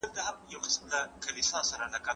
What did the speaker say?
زه لیکل نه کوم!!